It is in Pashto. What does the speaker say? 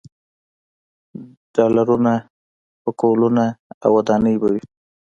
ډالرونه، پکولونه او ودانۍ به وي.